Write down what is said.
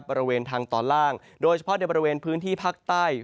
บริเวณทางตอนล่างโดยเฉพาะในบริเวณพื้นที่ภาคใต้